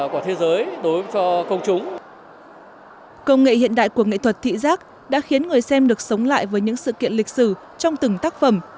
công nghệ hiện đại của nghệ thuật thị giác đã khiến người xem được sống lại với những sự kiện lịch sử trong từng tác phẩm